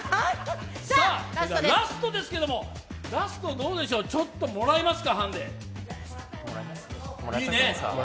ラストですけれども、ラストどうでしょう、ちょっともらいますか、ハンデ。もらいます。